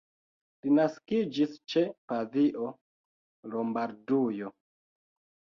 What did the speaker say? Li naskiĝis ĉe Pavio, Lombardujo.